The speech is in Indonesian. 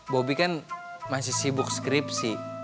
bobi kan masih sibuk skripsi